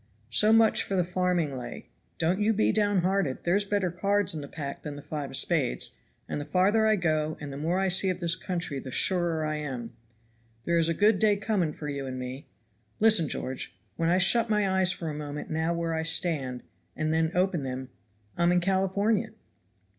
"So much for the farming lay. Don't you be down hearted, there's better cards in the pack than the five of spades; and the farther I go and the more I see of this country the surer I am. There is a good day coming for you and me. Listen, George. When I shut my eyes for a moment now where I stand, and then open them I'm in California."